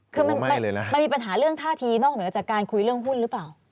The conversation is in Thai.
คือมันมีปัญหาเรื่องท่าทีนอกเหนือจากการคุยเรื่องหุ้นหรือเปล่า